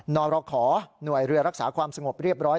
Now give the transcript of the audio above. นรขอหน่วยเรือรักษาความสงบเรียบร้อย